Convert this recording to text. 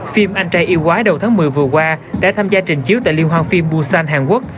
phim anh tray yêu quái đầu tháng một mươi vừa qua đã tham gia trình chiếu tại liên hoan phim busan hàn quốc